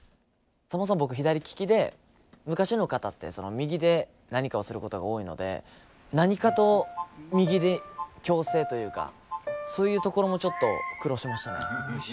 そもそも僕左利きで昔の方って右で何かをすることが多いので何かと右に矯正というかそういうところもちょっと苦労しましたね。